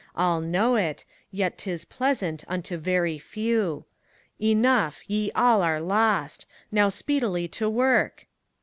All know it, yet 't is pleasant unto very few. Enough I ye all are lost : now speedily to work